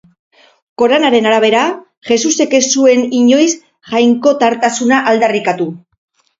Koranaren arabera, Jesusek ez zuen inoiz jainkotartasuna aldarrikatu.